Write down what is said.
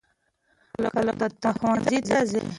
کله به ته ښوونځي ته ځې؟